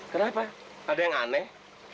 kenapa ada yang aneh